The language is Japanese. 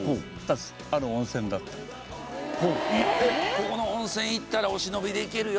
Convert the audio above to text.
ここの温泉行ったらお忍びで行けるよ。